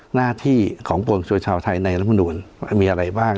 หน้าที่ของควรชัวร์ชาวไทยในลำนุนมีอะไรบ้าง